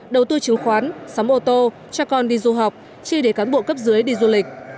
đầu tư chứng khoán xóm ô tô cho con đi du học chi để cán bộ cấp dưới đi du lịch